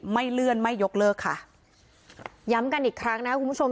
ไม่เลื่อนไม่ยกเลิกค่ะย้ำกันอีกครั้งนะคุณผู้ชม